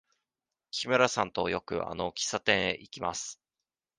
木村さんとよくあの喫茶店へ行きます。